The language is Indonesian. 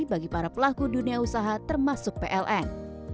bagi para pelaku dunia usaha termasuk pln